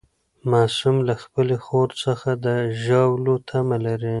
معصوم له خپلې خور څخه د ژاولو تمه لري.